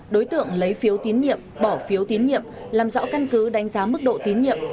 đối tượng lấy phiếu tín nhiệm bỏ phiếu tín nhiệm làm rõ căn cứ đánh giá mức độ tín nhiệm